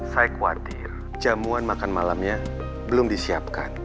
saya khawatir jamuan makan malamnya belum disiapkan